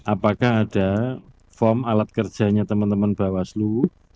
apakah ada form alat kerjanya teman teman bawaslu